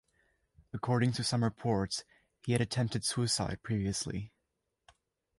According to some reports, he had attempted suicide previously.